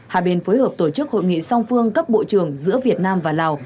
hai bên phối hợp tổ chức hội nghị song phương cấp bộ trưởng giữa việt nam và lào